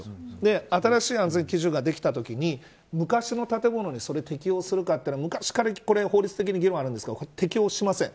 新しい安全基準ができたときに昔の建物にそれを適用するかというのは昔から法律的に議論があるんですが、適用しません。